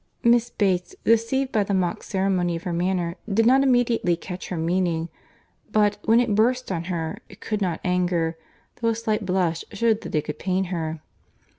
Miss Bates, deceived by the mock ceremony of her manner, did not immediately catch her meaning; but, when it burst on her, it could not anger, though a slight blush shewed that it could pain her.